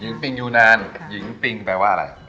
ปิงยูนานหญิงปิงแปลว่าอะไร